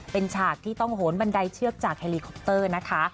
เป็นฉากที่ต้องโหนบันไดเชือกจากเฮลีคอปเตอร์นะคะ